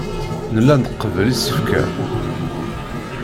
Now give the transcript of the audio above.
Nella nqebbel isefka.